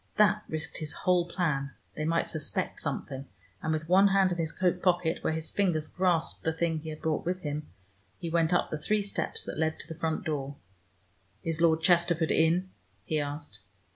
That risked his whole plan: they might suspect something, and with one hand in his coat pocket, where his fingers grasped the thing he had brought with him, he went up the three steps that led to the front door. "Is Lord Chesterford in?" he asked.